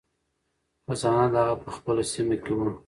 خزانه د هغه په خپله سیمه کې وه.